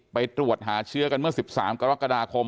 ไปตรวจหาเชื้อกันเมื่อ๑๓กรกฎาคม